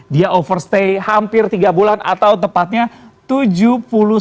dia overstay hampir tiga bulan atau tepatnya tujuh puluh tahun